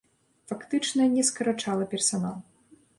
Фактычна не скарачала персанал.